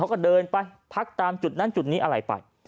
เขาก็เดินไปพักตามจุดนั้นจุดนี้อะไรไป